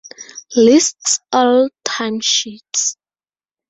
Lists all timesheets